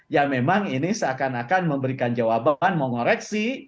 ya memang ini seakan akan memberikan jawaban mengoreksi